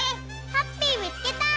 ハッピーみつけた！